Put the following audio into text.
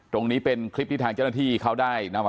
ตรงนี้เป็นคลิปที่ทางเจ้าหน้าที่เขาได้นำมา